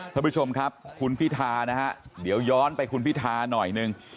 ท่านผู้ชมครับคุณพิธานะฮะเดี๋ยวย้อนไปคุณพิธาหน่อยหนึ่ง